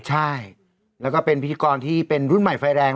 ใช่แล้วก็เป็นพิธีกรที่เป็นรุ่นใหม่ไฟแรง